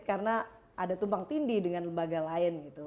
karena ada tumpang tindih dengan lembaga lain gitu